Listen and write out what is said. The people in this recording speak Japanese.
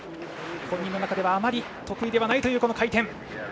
本人の中では、あまり得意ではないというこの回転。